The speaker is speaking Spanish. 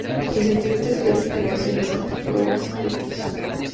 Los sentimientos y las emociones son proscritos.